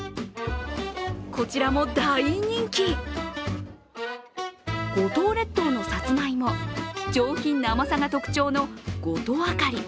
こちらも大人気、五島列島のさつまいも、上品な甘さが特徴の、ごとあかり。